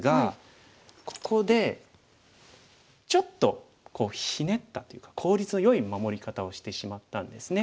ここでちょっとひねったというか効率のよい守り方をしてしまったんですね。